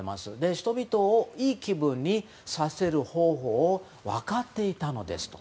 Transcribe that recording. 人々をいい気分にさせる方法を分かっていたのですと。